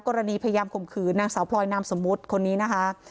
พยายามข่มขืนนางสาวพลอยนามสมมุติคนนี้นะคะ